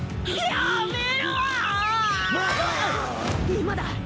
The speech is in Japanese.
今だ！